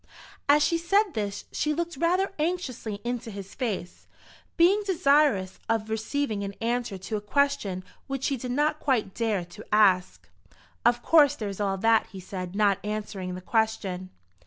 As she said this she looked rather anxiously into his face, being desirous of receiving an answer to a question which she did not quite dare to ask. "Of course there's all that," he said, not answering the question.